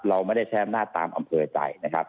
เราไม่ได้ใช้อำนาจตามอำเภอใจนะครับ